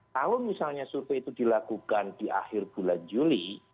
kalau misalnya survei itu dilakukan di akhir bulan juli